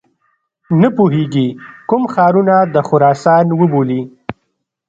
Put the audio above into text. نه پوهیږي کوم ښارونه د خراسان وبولي.